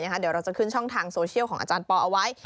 เดี๋ยวเราจะขึ้นช่องทางโซเชียลของอาจารย์ปอเอาไว้